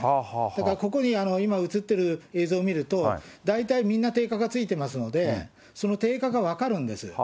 だからここに今映っている映像見ると、大体みんな定価がついてますので、その定価が分かるんです。